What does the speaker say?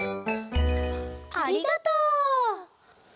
ありがとう！